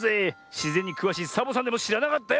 しぜんにくわしいサボさんでもしらなかったよ